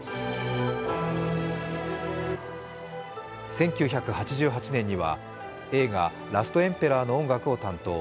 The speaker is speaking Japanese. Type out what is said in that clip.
１９８８年には映画「ラストエンペラー」の音楽を担当。